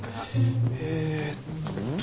えーっと。